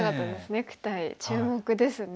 ネクタイ注目ですね。